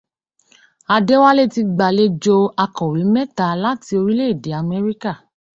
Adéwálé ti gbàlejò akọ̀wé mẹ́ta láti orílẹ̀-èdè Amẹ́ríkà